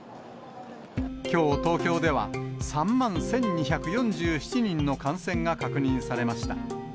きょう、東京では３万１２４７人の感染が確認されました。